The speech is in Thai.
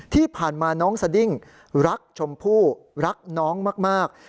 ที่ผ่านมาน้องสดิ้งรักชมพู่รักน้องมาก